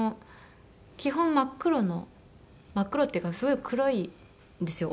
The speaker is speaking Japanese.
基本真っ黒の真っ黒っていうかすごい黒いんですよ